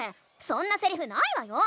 そんなセリフないわよ！